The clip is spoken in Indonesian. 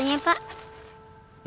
sini sepatunya pak